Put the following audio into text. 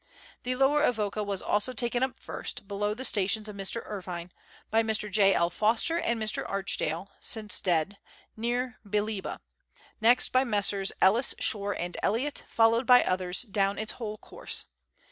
The Lower Avoca was also taken up first, below the stations of Mr. Irvine, by Mr. J. L. Foster and Mr. Archdale (since dead), near Bealiba ; next by Messrs. Ellis, Shore, and Elliott, followed by others, down its whole course.